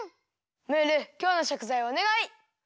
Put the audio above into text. ムールきょうのしょくざいをおねがい！